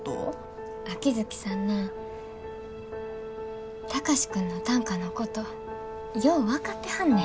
秋月さんな貴司君の短歌のことよう分かってはんねん。